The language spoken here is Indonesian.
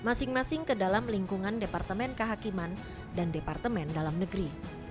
pemerintah mengeluarkan maklumat tentang lingkungan departemen kehakiman dan departemen dalam negeri